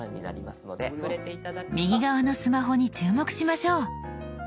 右側のスマホに注目しましょう。